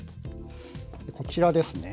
こちらですね。